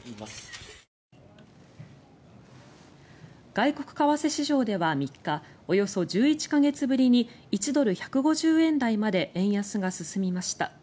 外国為替市場では３日およそ１１か月ぶりに１ドル＝１５０円台まで円安が進みました。